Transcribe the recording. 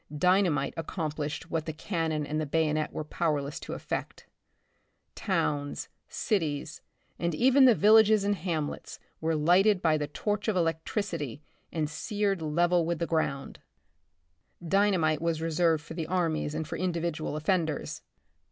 Dynamite accomplished what the can non and the bayonet were powerless to effect. Towns, cities and even the villages and ham lets, were lighted by the torch of electricity and seared level with the ground. Dynamite was reserved for the armies and for individual offenders.